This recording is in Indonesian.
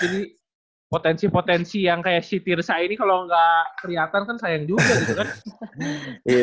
jadi potensi potensi yang kayak si tirsa ini kalau gak kelihatan kan sayang juga gitu kan